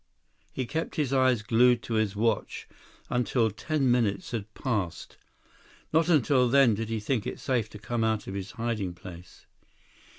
He kept his eyes glued to his watch until ten minutes had passed. Not until then did he think it safe to come out of his hiding place.